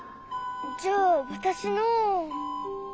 じゃあわたしの。